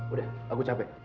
udah aku capek